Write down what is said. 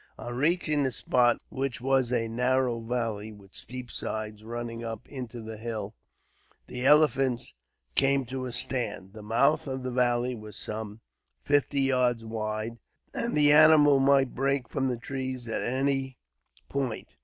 On reaching the spot, which was a narrow valley, with steep sides running up into the hill, the elephants came to a stand. The mouth of the valley was some fifty yards wide, and the animal might break from the trees at any point.